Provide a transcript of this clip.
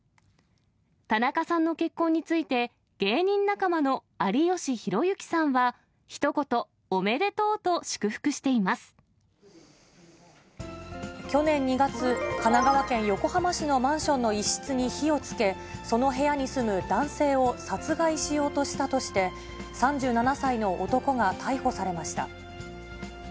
田中さんの結婚について、芸人仲間の有吉弘行さんは、ひと言、おめでとうと祝福してい去年２月、神奈川県横浜市のマンションの一室に火をつけ、その部屋に住む男性を殺害しようとしたとして、３７歳の男が逮捕されました。